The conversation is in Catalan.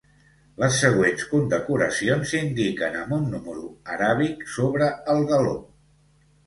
Les següents condecoracions s'indiquen amb un número aràbic sobre el galó.